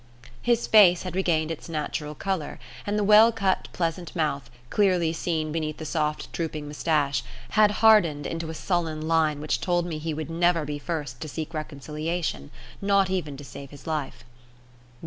His face had regained its natural colour, and the well cut pleasant mouth, clearly seen beneath the soft drooping moustache, had hardened into a sullen line which told me he would never be first to seek reconciliation not even to save his life.